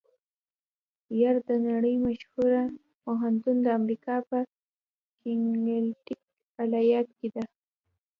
یل د نړۍ مشهوره پوهنتون د امریکا په کنېکټیکیټ ایالات کې ده.